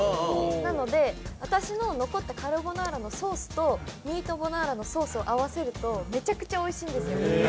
なので、私の残ったカルボナーラのソースとミートボナーラのソースを絡めるとめちゃくちゃおいしいんですよ。